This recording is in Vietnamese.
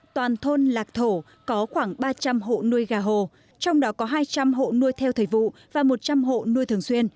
toàn thôn lạc thổ có khoảng ba trăm linh hộ nuôi gà hồ trong đó có hai trăm linh hộ nuôi theo thời vụ và một trăm linh hộ nuôi thường xuyên